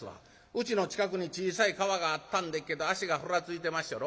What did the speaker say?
うちの近くに小さい川があったんでっけど足がふらついてまっしゃろ。